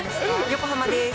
横浜です。